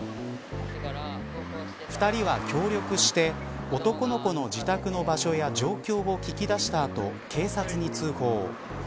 ２人は協力して男の子の自宅の場所や状況を聞きだした後警察に通報。